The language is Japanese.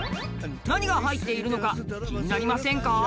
何が入っているのか気になりませんか？